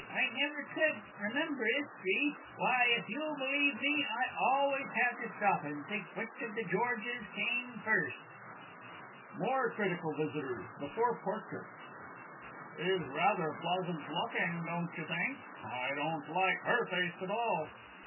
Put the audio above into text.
I never could remember 'Istry. Why, if you'll believe me, I always have to stop and think which of the Georges came first! MORE CRITICAL VISITORS (before Portraits). He's rather pleasant looking, don't you think? I don't like her face at all.